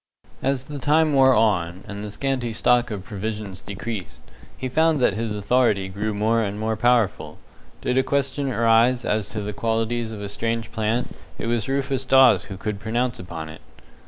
As the time wore on, and the scanty stock of provisions decreased, he found that his authority grew more and more powerful. Did a question arise as to the qualities of a strange plant, it was Rufus Dawes who could pronounce upon it.